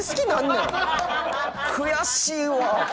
悔しいわ。